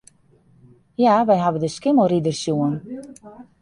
Ja, wy hawwe de Skimmelrider sjoen.